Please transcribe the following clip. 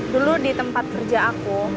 dulu di tempat kerja aku